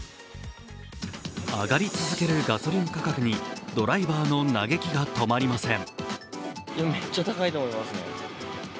上がり続けるガソリン価格にドライバーの嘆きが止まりません。